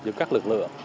với các lực lượng